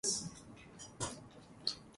The airline operated charter services from Lagos.